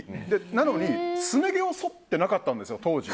なのにすね毛をそってなかったんです、当時。